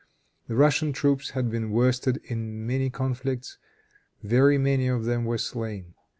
The Russian troops had been worsted in many conflicts; very many of them were slain.